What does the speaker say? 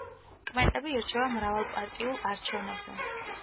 კმეტები ირჩევა მრავალპარტიულ არჩევნებზე.